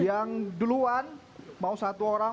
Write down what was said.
yang duluan mau satu orang